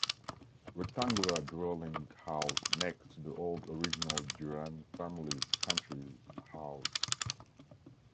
Rectangular dwelling house next to the old original Duran family’s country house.